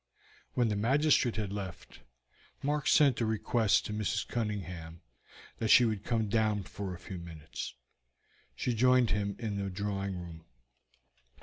When the magistrate had left, Mark sent a request to Mrs. Cunningham that she would come down for a few minutes. She joined him in the drawing room.